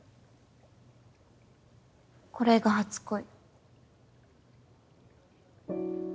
これが初恋。